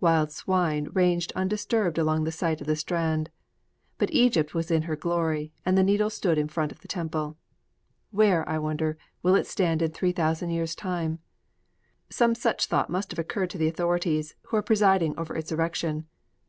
Wild swine ranged undisturbed along the site of the Strand. But Egypt was in her glory, and the Needle stood in front of the temple! Where, I wonder, will it stand in three thousand years' time? Some such thought must have occurred to the authorities who are presiding over its erection.